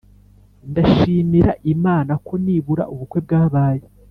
ndashimira imana ko nibura ubukwe bwabaye.”